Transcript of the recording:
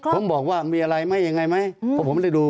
ผมบอกว่ามีอะไรไหมยังไงไหมเพราะผมไม่ได้ดู